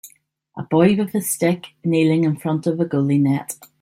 A boy with a stick kneeling in front of a goalie net